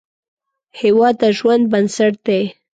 هیواد د ژوند بنسټ دی